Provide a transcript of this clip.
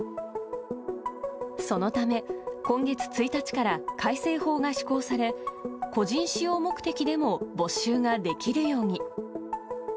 そのため、今月１日から改正法が施行され、個人使用目的でも没収ができるように。